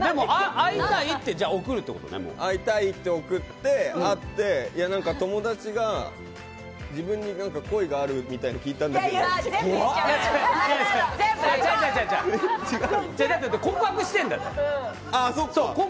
会いたいって送って、友達が自分に好意があるみたいに聞いたんだけどっていう。